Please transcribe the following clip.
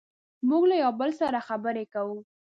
موږ له یو بل سره خبرې کوو.